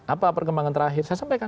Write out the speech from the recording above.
apa perkembangan terakhir saya sampaikan